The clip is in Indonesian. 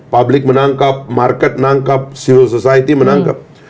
publik menangkap market menangkap civil society menangkap